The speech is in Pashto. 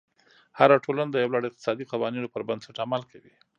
هره ټولنه د یو لړ اقتصادي قوانینو پر بنسټ عمل کوي.